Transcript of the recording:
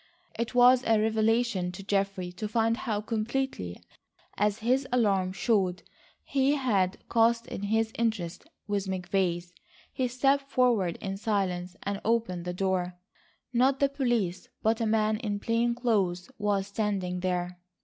It was a revelation to Geoffrey to find how completely, as his alarm showed, he had cast in his interests with McVay's. He stepped forward in silence and opened the door. Not the police, but a man in plain clothes was standing there.